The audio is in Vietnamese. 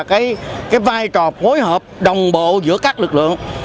cái vai trò phối hợp đồng bộ giữa các lực lượng